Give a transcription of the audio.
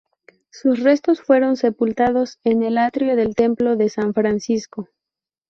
Sus restos fueron sepultados en el atrio del templo de San Francisco.